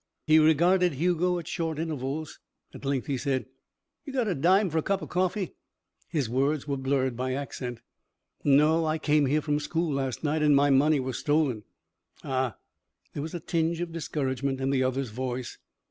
He regarded Hugo at short intervals. At length he said. "You got a dime for a cup of coffee?" His words were blurred by accent. "No. I came here from school last night and my money was stolen." "Ah," there was a tinge of discouragement in the other's voice.